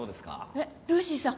えっルーシーさん